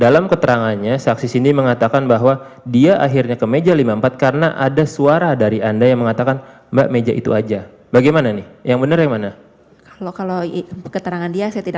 langsung konfirmasi barang bukti